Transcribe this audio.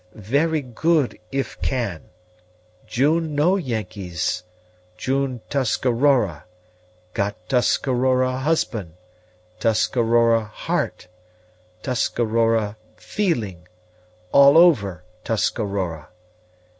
"Very good, if can. June no Yengeese, June Tuscarora got Tuscarora husband Tuscarora heart Tuscarora feeling all over Tuscarora.